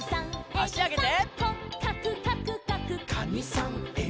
あしあげて。